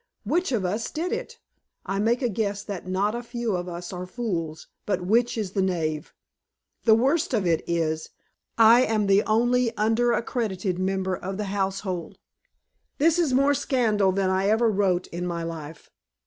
Which of us did it? I make a guess that not a few of us are fools, but which is the knave? The worst of it is, I am the only unaccredited member of the household! This is more scandal than I ever wrote in my life.